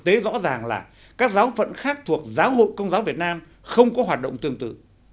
tế rõ ràng là các giáo phận khác thuộc giáo hội công giáo việt nam không có hoạt động tương tự